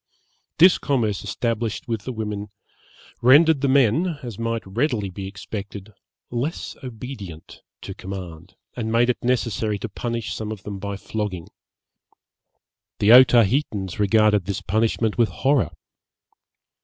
This commerce established with the women rendered the men, as might readily be expected, less obedient to command, and made it necessary to punish some of them by flogging. The Otaheitans regarded this punishment with horror.